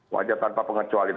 wajar tanpa pengecualian